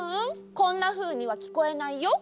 こんなふうにはきこえないよ。